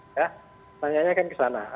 pertanyaannya kan ke sana